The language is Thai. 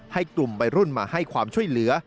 ให้กลุ่มวัยรุ่นมาให้ความช่วยเหลือ